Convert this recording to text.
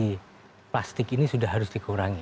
karena plastik ini sudah harus dikurangi